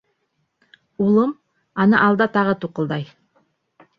— Улым, ана алда тағы туҡылдай.